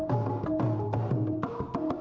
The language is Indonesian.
jang setiappun meninggal setiap keruganan keruganan